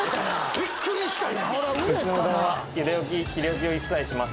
びっくりした今。